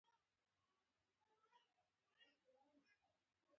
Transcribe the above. دوی ښکلوي یې، سجدې ورته کوي.